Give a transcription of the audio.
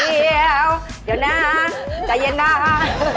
เดี๋ยวนะใจเย็นนะ